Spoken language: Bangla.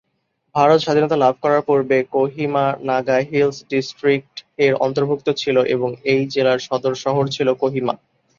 ভারত স্বাধীনতা লাভ করার পূর্বে কোহিমা ‘নাগা হিলস ডিস্ট্রিক্ট’-এর অন্তর্ভুক্ত ছিল এবং এই জেলার সদর শহর ছিল কোহিমা।